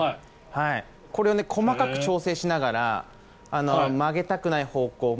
これを細かく調整しながら曲げたくない方向